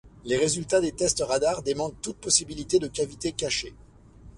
Les résultats des tests radars démentent toute possibilité de cavités cachées.